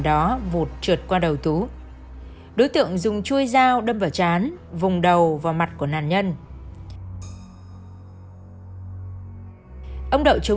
sau đó đối tượng bắt xe ôm về một nhà nghỉ